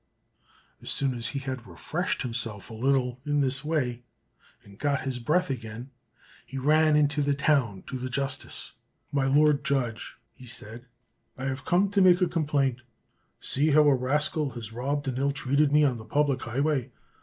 As soon as he had refreshed himself a little in this way, and got his breath again, he ran into the town to the justice. "My lord judge," he said, "I have come to make a complaint; see how a rascal has robbed and ill treated me on the public highway!